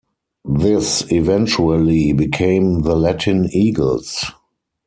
This eventually became the Latin Eagles.